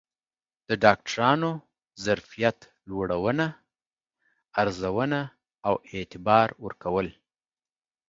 د ډاکترانو ظرفیت لوړونه، ارزونه او اعتبار ورکول